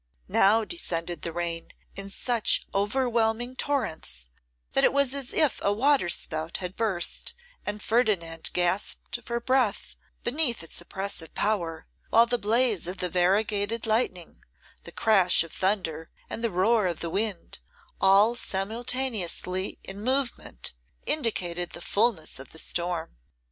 Now descended the rain in such overwhelming torrents, that it was as if a waterspout had burst, and Ferdinand gasped for breath beneath its oppressive power; while the blaze of the variegated lightning, the crash of the thunder, and the roar of the wind, all simultaneously in movement, indicated the fulness of the storm.